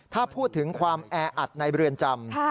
ถ้าพูดถึงความแออัดในเรือนจำ